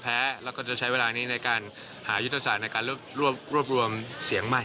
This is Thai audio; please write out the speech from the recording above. แล้วก็จะใช้เวลานี้ในการหายุทธศาสตร์ในการรวบรวมเสียงใหม่